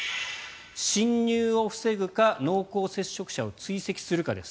侵入を防ぐか濃厚接触者を追跡するかです